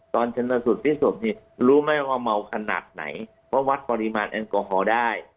ตอนชนสุดที่สุดรู้ไหมว่าเมาขนาดไหนเพราะวัดปริมาณแอนโกฮอล์ได้